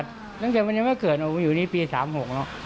จากที่มันไม่เกินล่ะชั้นอยู่นี่ปี๓๖แล้ว